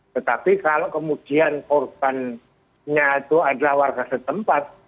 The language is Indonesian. tetapi kalau kemudian korbannya itu adalah warga setempat